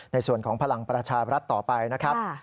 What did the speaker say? ในส่วนของพลังประชาบรัฐต่อไปนะครับ